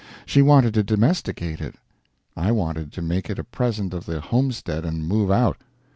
She wanted to domesticate it, I wanted to make it a present of the homestead and move out.